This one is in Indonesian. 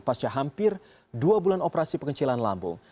pasca hampir dua bulan operasi pengecilan lambung